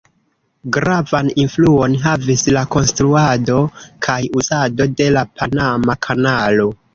Gravan influon havis la konstruado kaj uzado de la Panama Kanalo.